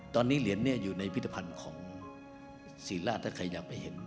ตอนนี้เหรียญอยู่ในพิธภัณฑ์ของศรีราชถ้าใครอยากไปเห็น